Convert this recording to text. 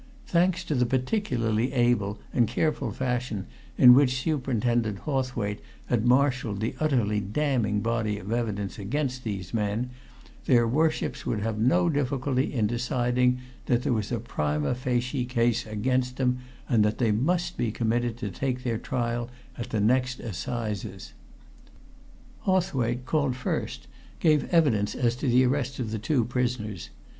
Thanks to the particularly able and careful fashion in which Superintendent Hawthwaite had marshalled the utterly damning body of evidence against these men, their Worships would have no difficulty in deciding that there was a prima facie case against them and that they must be committed to take their trial at the next Assizes. Hawthwaite, called first, gave evidence as to the arrest of the two prisoners.